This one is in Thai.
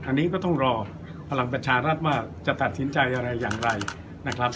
อันนี้ก็ต้องรอพลังประชารัฐว่าจะตัดสินใจอะไรอย่างไรนะครับ